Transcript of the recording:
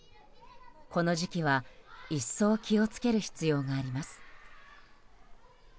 この時期は一層気を付ける必要があります。